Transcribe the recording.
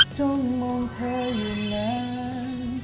จงมองเธออยู่นั้น